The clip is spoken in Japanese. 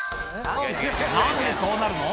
何でそうなるの？